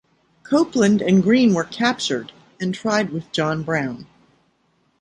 Copeland and Green were captured and tried with John Brown.